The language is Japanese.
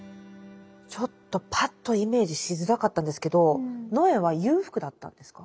ちょっとぱっとイメージしづらかったんですけど野枝は裕福だったんですか？